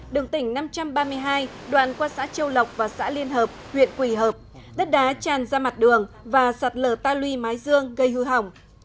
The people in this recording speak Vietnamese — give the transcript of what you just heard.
đường tỉnh năm trăm ba mươi hai đoạn qua xã châu lộc và xã liên hợp huyện quỳ hợp đất đá tràn ra mặt đường và sạt lở ta luy mái dương gây hư hỏng